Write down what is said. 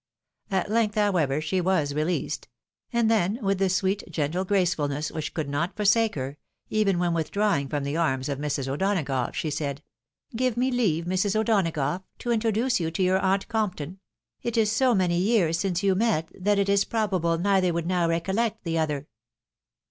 At length, however, Sob was released ; and then, with the sweet, gentle gracefulness which could not forsake her, even when withdraw ing from the arms of Mrs. O'Donagough, she said, " Give me leave, Mrs. O'Donagough, to iatroduce you to our aunt Comp ton. It is so many years since you met, that it is probable neither would now recollect the other."